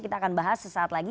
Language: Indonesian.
kita akan bahas sesaat lagi